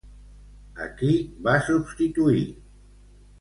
A qui va substituir?